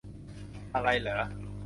อะไรเหรอ